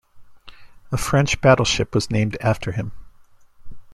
A French battleship was named after him.